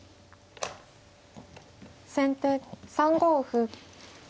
先手３五歩。